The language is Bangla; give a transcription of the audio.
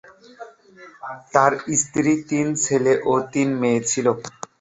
তার স্ত্রী, তিন ছেলে ও তিন মেয়ে ছিল।